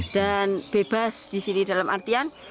dan bebas di sini dalam artian